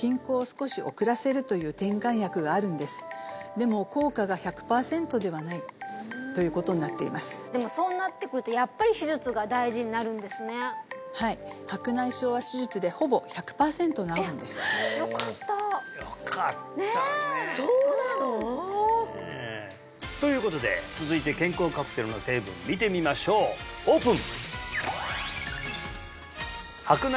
でも効果が１００パーセントではないということになっていますでもそうなってくるとはいよかったよかったねえそうなの！ということで続いて健康カプセルの成分見てみましょうオープン！